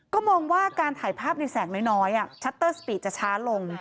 ก็มองว่าการถ่ายภาพในแสงน้อยชัตเตอร์สปีดจะช้าลง